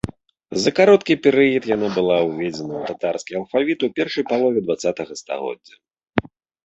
За кароткі перыяд яна была ўведзена ў татарскі алфавіт ў першай палове дваццатага стагоддзя.